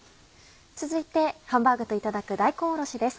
続いてハンバーグといただく大根おろしです。